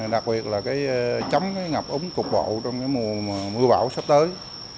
đặc biệt là chấm ngập ống cục bộ trong mùa bão sắp tới